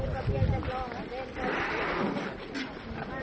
แค่ถือเหน็จช่องอะไร